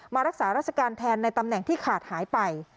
รักษาราชการแทนในตำแหน่งที่ขาดหายไป